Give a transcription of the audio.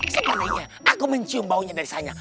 sebenarnya aku mencium baunya dari sana